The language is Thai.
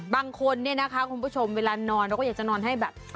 บางคนเนี่ยนะคะคุณผู้ชมเวลานอนเราก็อยากจะนอนให้แบบ